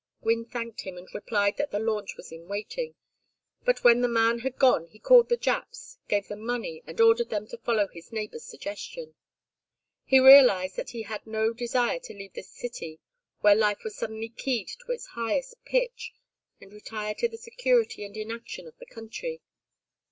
Gwynne thanked him and replied that the launch was in waiting; but when the man had gone he called the Japs, gave them money, and ordered them to follow his neighbor's suggestion. He realized that he had no desire to leave this city where life was suddenly keyed to its highest pitch, and retire to the security and inaction of the country.